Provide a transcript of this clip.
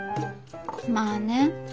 まあね。